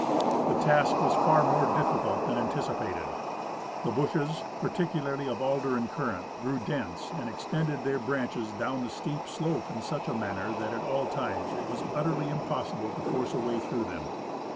The task Avas far more difficult than anticipated. The bushes, principally of alder and currant, grew dense and extended their branches down the steep slope in such a manner that at times it was utterly impossible to force a way through them.